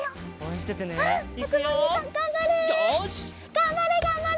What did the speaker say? がんばれがんばれ！